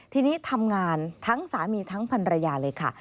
ทีนี้ทำงานทั้งสามีทั้งพันรยาเลยค่ะ